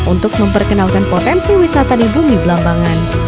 untuk memperkenalkan potensi wisata di bumi belambangan